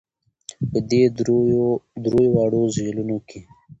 په دې درېواړو ځېلونو کې